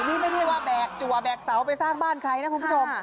นี่ไม่ได้ว่าแบกจัวแบกเสาไปสร้างบ้านใครนะคุณผู้ชม